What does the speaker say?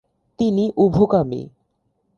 তিনি উভকামী।